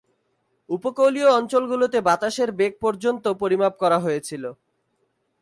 উপকূলীয় অঞ্চলগুলিতে বাতাসের বেগ পর্যন্ত পরিমাপ করা হয়েছিল।